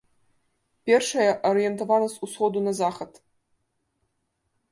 Першая арыентавана з усходу на захад.